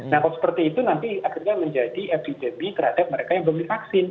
nah kalau seperti itu nanti akhirnya menjadi epidemi terhadap mereka yang belum divaksin